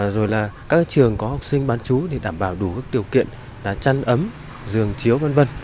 rồi là các trường có học sinh bán chú thì đảm bảo đủ các điều kiện là chăn ấm giường chiếu v v